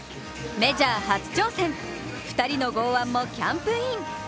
メジャー初挑戦、２人の剛腕もキャンプイン。